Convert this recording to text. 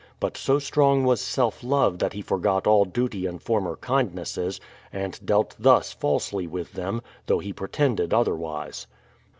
But so strong was self love that he forgot all duty and former kindnesses, and dealt thus falsely with them, though he pretended otherwise.